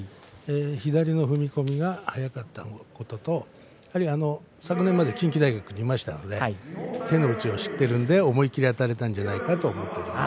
左の踏み込みが速かったことと昨年まで近畿大学にいましたので手の内を知っているので思い切りあたれたんじゃないかと思っております。